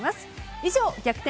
以上、逆転！